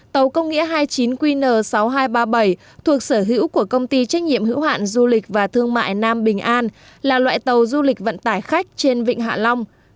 tàu công nghĩa hai mươi chín qn sáu nghìn hai trăm ba mươi bảy thuộc sở hữu của công ty trách nhiệm hữu hạn du lịch và thương mại nam bình an là loại tàu du lịch vận tải khách trên vịnh hạ long